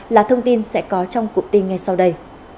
là thông tin sẽ có trong cụm tin ngay sau đây